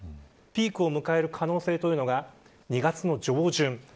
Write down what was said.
ピークを迎える可能性が２月の上旬。